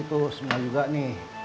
tuh semula juga nih